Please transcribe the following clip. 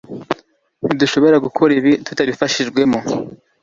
Ntidushobora gukora ibi tutabifashijwemo